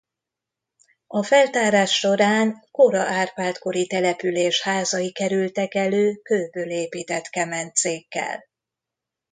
A feltárás során kora Árpád-kori település házai kerültek elő kőből épített kemencékkel.